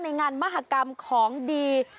ในงานมหากรรมของดี